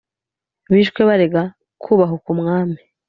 Bishwe baregwa kubahuka umwami